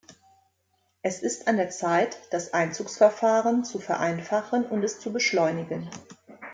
Es ist an der Zeit, das Einzugsverfahren zu vereinfachen und es zu beschleunigen.